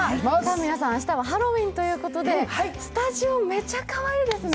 皆さん、明日はハロウィーンということで、スタジオ、めちゃかわいいですね。